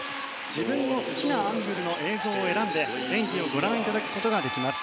自分の好きなアングルの映像を選んで演技をご覧いただくことができます。